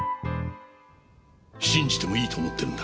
信じてもいいと思ってるんだ。